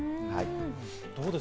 どうです？